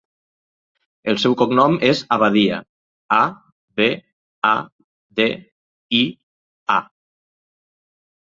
El seu cognom és Abadia: a, be, a, de, i, a.